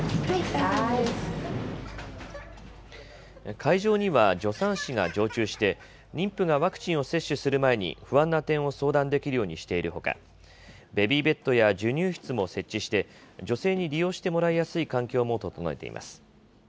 会場には助産師が常駐して、妊婦がワクチンを接種する前に不安な点を相談できるようにしているほか、ベビーベッドや授乳室も設置して、女性に利用してもらいやすい環境も整えています。